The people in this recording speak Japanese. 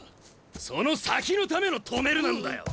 その先のための「止める」なんだよ！